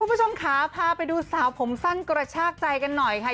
คุณผู้ชมค่ะพาไปดูสาวผมสั้นกระชากใจกันหน่อยค่ะ